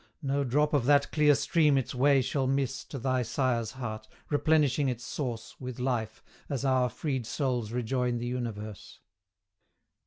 No drop of that clear stream its way shall miss To thy sire's heart, replenishing its source With life, as our freed souls rejoin the universe.